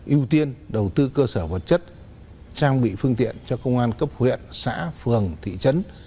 ưu tiên đầu tư cơ sở vật chất trang bị phương tiện cho công an cấp huyện xã phường thị trấn